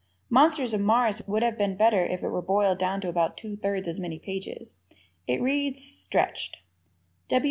"Monsters of Mars" would have been better if it were boiled down to about two thirds as many pages. It reads "stretched."